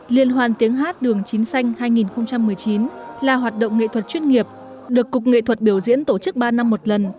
liên hoan tiếng hát đường chín xanh hai nghìn một mươi chín là hoạt động nghệ thuật chuyên nghiệp được cục nghệ thuật biểu diễn tổ chức ba năm một lần